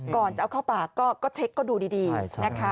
ก่อนจะเอาเข้าปากก็เช็คก็ดูดีนะคะ